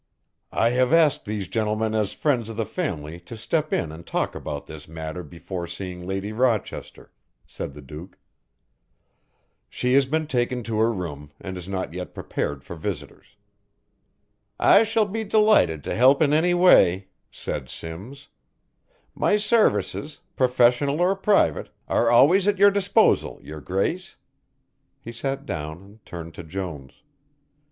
"I have asked these gentlemen as friends of the family to step in and talk about this matter before seeing Lady Rochester," said the Duke. "She has been taken to her room, and is not yet prepared for visitors." "I shall be delighted to help in any way," said Simms; "my services, professional or private, are always at your disposal, your grace." He sat down and turned to Jones.